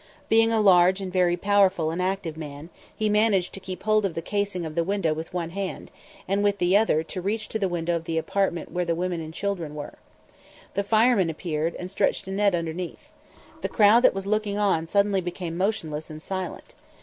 Being a large and very powerful and active man, he managed to keep hold of the casing of the window with one hand, and with the other to reach to the window of the apartment where the women and child were. The firemen appeared, and stretched a net underneath. The crowd that was looking on suddenly became motionless and silent.